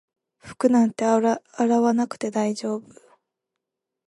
服なんて洗わなくて大丈夫